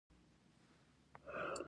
افغانستان په مېوې باندې تکیه لري.